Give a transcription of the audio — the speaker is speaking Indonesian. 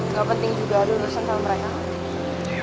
nggak penting juga ada urusan sama mereka